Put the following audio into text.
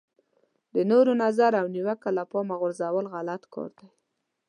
د نورو نظر او نیوکه له پامه غورځول غلط کار دی.